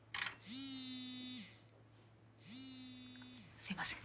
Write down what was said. すいません。